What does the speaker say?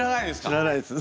知らないですか？